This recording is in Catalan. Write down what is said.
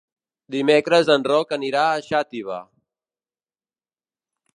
Dimecres en Roc anirà a Xàtiva.